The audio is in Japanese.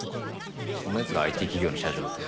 そんな奴がＩＴ企業の社長って？